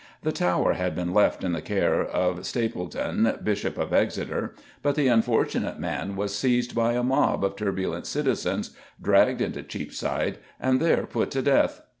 The Tower had been left in the care of Stapledon, Bishop of Exeter, but the unfortunate man was seized by a mob of turbulent citizens, dragged into Cheapside, and there put to death.